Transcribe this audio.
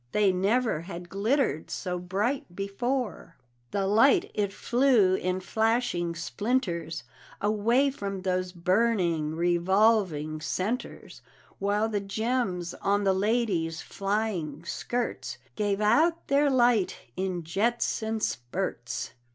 They never had glittered so bright before; The light it flew in flashing splinters Away from those burning, revolving centres; While the gems on the lady's flying skirts Gave out their light in jets and spirts.